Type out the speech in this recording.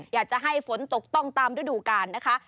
อยากจะให้ฝนตกต้องตามฤดูกาลนะคะ